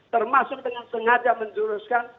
termasuk dengan sengaja menjuruskan